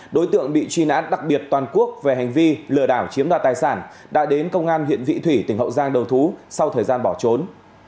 đối tượng bị truy nã đặc biệt toàn quốc về hành vi lừa đảo chiếm đoạt tài sản đã đến công an huyện vị thủy tỉnh hậu giang đầu thú sau thời gian bỏ trốn